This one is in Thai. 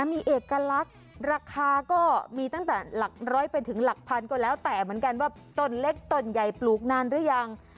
มีเอกลักษณ์ราคาก็มีตั้งแต่หลักร้อยไปถึงหลักพันก็แล้วแต่เหมือนกันว่าต้นเล็กต้นใหญ่ปลูกนานหรือยัง